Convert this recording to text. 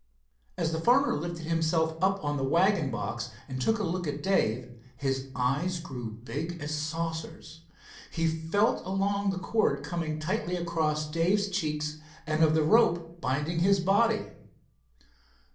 As the farmer lifted himself up on the wagon box and took a look at Dave, his eyes grew big as saucers. He felt along the cord coming tightly across Dave's cheeks and of the rope binding his body.